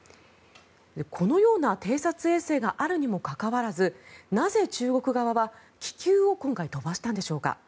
このような偵察衛星があるにもかかわらずなぜ、中国側は、気球を今回飛ばしたんでしょうか。